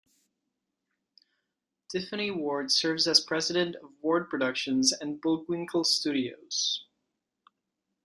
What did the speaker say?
Tiffany Ward serves as president of Ward Productions and Bullwinkle Studios.